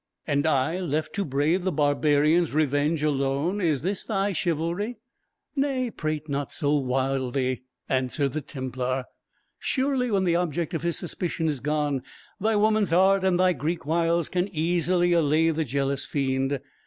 "And I left to brave the barbarian's revenge alone? Is this thy chivalry?" "Nay, prate not so wildly," answered the Templar. "Surely, when the object of his suspicion is gone, thy woman's art and thy Greek wiles can easily allay the jealous fiend.